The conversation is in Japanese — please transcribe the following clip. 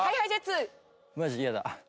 マジ嫌だ。